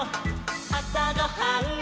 「あさごはん」「」